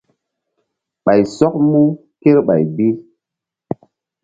Ɓay sɔk mu kerɓay bi.